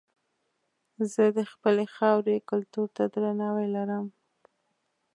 زه د خپلې خاورې کلتور ته درناوی لرم.